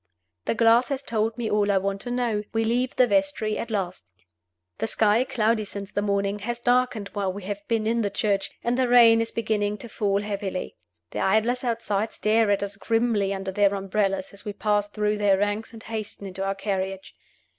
The glass has told me all I want to know. We leave the vestry at last. The sky, cloudy since the morning, has darkened while we have been in the church, and the rain is beginning to fall heavily. The idlers outside stare at us grimly under their umbrellas as we pass through their ranks and hasten into our carriage.